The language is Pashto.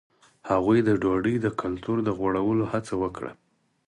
هغوی د ډوډۍ د کلتور د غوړولو هڅه وکړه.